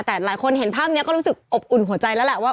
แต่หลายคนเห็นภาพนี้ก็รู้สึกอบอุ่นหัวใจแล้วแหละว่า